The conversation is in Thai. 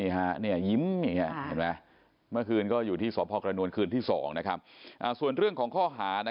หน้าคืนนะก็อยู่ที่สพคนั่งห้องคืนที่๒นะครับส่วนเรื่องของข้อหานะ